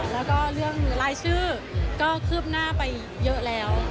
แล้วก็เรื่องรายชื่อก็คืบหน้าไปเยอะแล้ว